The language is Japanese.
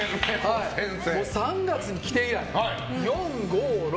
３月に来て以来４、５、６